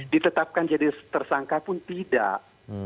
ditetapkan jadi tersangka pun tidak